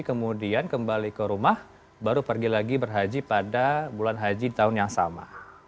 kemudian kembali ke rumah baru pergi lagi berhaji pada bulan haji tahun yang sama